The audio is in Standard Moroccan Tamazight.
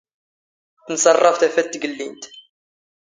ⵜⵏⵚⴰⵕⵕⴰⴼ ⵜⴰⴼⴰⵜ ⵜⴳⵍⵍⵉⵏⵜ.